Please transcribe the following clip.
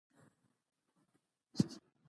بېټ نیکه شعر یو صوفیانه رنګ لري.